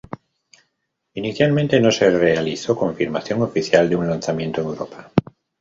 Inicialmente, no se realizó una confirmación oficial de un lanzamiento en Europa.